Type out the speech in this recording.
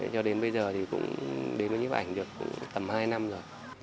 cho đến bây giờ thì cũng đến với nhiếp ảnh được cũng tầm hai năm rồi